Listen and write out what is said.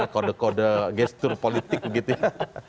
kode kode gestur politik begitu ya